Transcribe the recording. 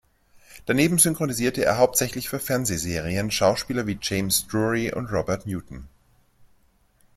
Daneben synchronisierte er hauptsächlich für Fernsehserien Schauspieler wie James Drury und Robert Newton.